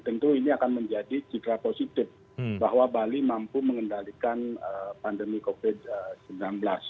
tentu ini akan menjadi citra positif bahwa bali mampu mengendalikan pandemi covid sembilan belas